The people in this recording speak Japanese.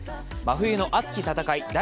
真冬の熱き戦い